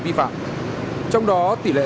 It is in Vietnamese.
vi phạm trong đó tỷ lệ